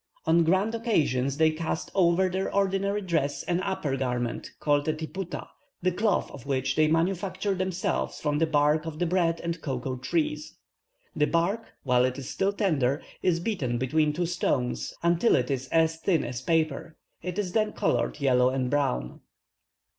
On grand occasions, they cast over their ordinary dress an upper garment, called a tiputa, the cloth of which they manufacture themselves from the bark of the bread and cocoa trees. The bark, while still tender, is beaten between two stones, until it is as thin as paper; it is then coloured yellow and brown.